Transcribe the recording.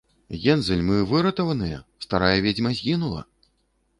- Гензель, мы выратаваныя: старая ведзьма згінула!